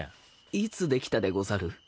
いつできたでござる。